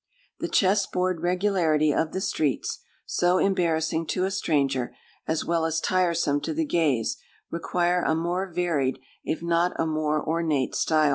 The chess board regularity of the streets, so embarrassing to a stranger, as well as tiresome to the gaze, require a more varied, if not a more ornate style.